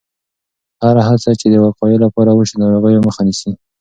هره هڅه چې د وقایې لپاره وشي، د ناروغیو مخه نیسي.